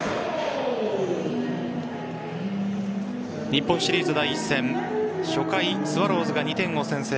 日本シリーズ第１戦初回、スワローズが２点を先制。